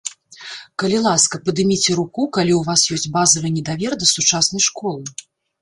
Калі ласка, падыміце руку, калі ў вас ёсць базавы недавер да сучаснай школы.